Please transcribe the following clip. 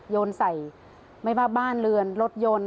โยนใส่ไม่ว่าบ้านเรือนรถยนต์